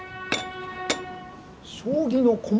将棋の駒？